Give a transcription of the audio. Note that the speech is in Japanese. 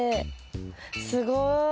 すごい。